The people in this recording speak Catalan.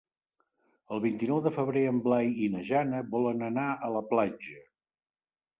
El vint-i-nou de febrer en Blai i na Jana volen anar a la platja.